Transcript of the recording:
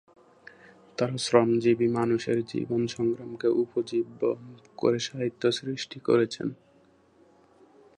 তাঁরা শ্রমজীবী মানুষের জীবন সংগ্রামকে উপজীব্য করে সাহিত্য সৃষ্টি করেছেন।